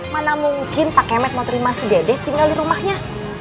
mana mungkin pak kemet mau terima si dede tinggal di rumahnya